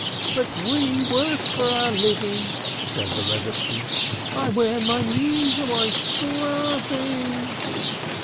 "But we work for our living!" said the Rebbitzin. "I wear my knees away scrubbing."